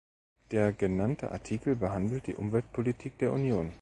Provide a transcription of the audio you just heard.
Der genannte Artikel behandelt die Umweltpolitik der Union.